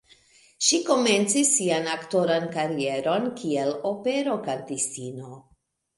Ŝi komencis sian aktoran karieron, kiel opero-kantistino.